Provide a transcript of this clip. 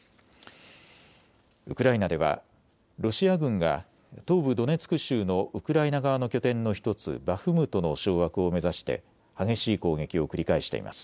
ウクライナではロシア軍が東部ドネツク州のウクライナ側の拠点の１つ、バフムトの掌握を目指して激しい攻撃を繰り返しています。